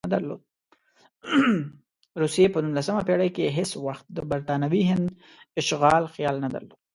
روسیې په نولسمه پېړۍ کې هېڅ وخت د برټانوي هند اشغال خیال نه درلود.